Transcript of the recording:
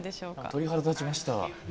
鳥肌立ちました